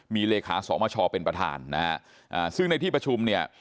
มีเลขาสมชเป็นประธานนะฮะซึ่งในที่ประชุมเนี่ย